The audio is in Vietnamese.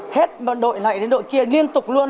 hết đội lại đến đội kia liên tục luôn